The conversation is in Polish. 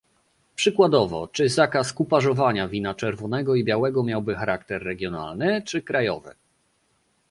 Przykładowo, czy zakaz kupażowania wina czerwonego i białego miałby charakter regionalny czy krajowy?